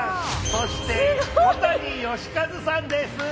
そして小谷嘉一さんです。